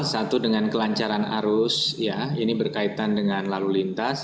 satu dengan kelancaran arus ya ini berkaitan dengan lalu lintas